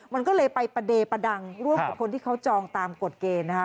มันก็เลยไปประเดประดังร่วมกับคนที่เขาจองตามกฎเกณฑ์นะคะ